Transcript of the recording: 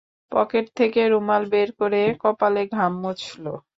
Pocket থেকে রুমাল বের করে কপালের ঘাম মুছল।